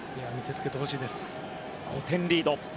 ５点リード。